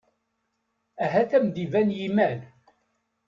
Ahat ad am-iban yimal.